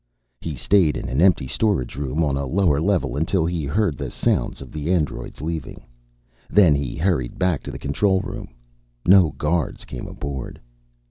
He stayed in an empty storage room on a lower level until he heard the sounds of the androids leaving. Then he hurried back to the control room. No guards came aboard.